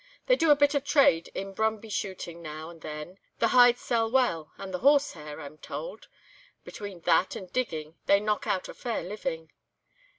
They do a bit of trade in brumbie shooting now and then, the hides sell well and the horse hair—I'm told. Between that and digging they knock out a fair living."